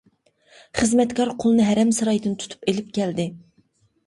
خىزمەتكار قۇلنى ھەرەم سارايدىن تۇتۇپ ئېلىپ كەلدى.